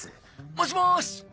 もしもし。